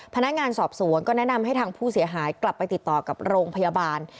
พนักงานสอบสวนก็แนะนำให้ทางผู้เสียหายกลับไปติดต่อกับโรงพยาบาล